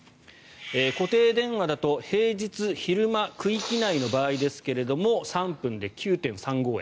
固定電話だと平日昼間区域内の場合ですけど３分で９．３５円。